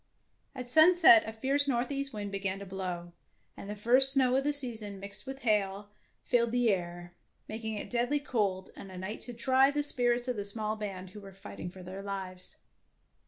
At sunset a fierce northeast wind began to blow, and the first snow of the season mixed with hail filled the air, making it deadly cold and a night to try the spirits of the small band who were fighting for their lives.